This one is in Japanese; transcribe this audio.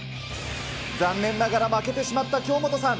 残念ながら負けてしまった京本さん。